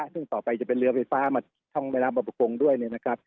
ซึ่งต่อไปจะเป็นเรือไฟฟ้ามาช่องแม่น้ำประกงด้วยนะครับ